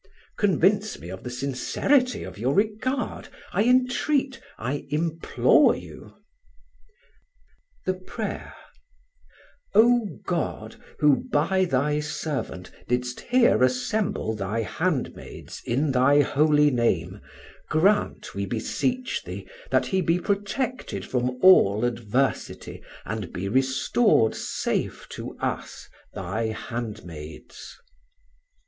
Convince me of the sincerity of your regard, I entreat, I implore you. [The Prayer:] "O God, who by Thy servant didst here assemble Thy handmaids in Thy Holy Name, grant, we beseech Thee, that he be protected from all adversity, and be restored safe to us, Thy handmaids."